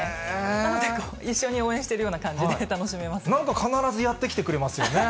なので一緒に応援しているようななんか必ずやって来てくれますよね。